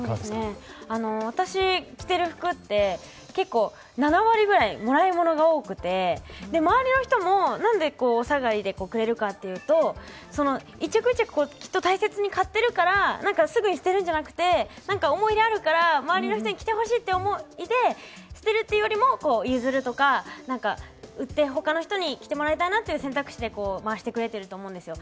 私、着ている服って７割ぐらい、もらい物が多くて周りの人も、なんでお下がりでくれるかというと、１着１着大切に買っているから、すぐに捨てるんじゃなくて、思い入れがあるから周りの人に着てほしいという思いで捨てるというよりも、譲るとか、人に着てもらいたいという選択肢で回してくれていると思うんですよ。